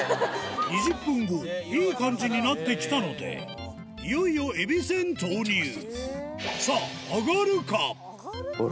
２０分後いい感じになってきたのでいよいよえびせん投入ほら！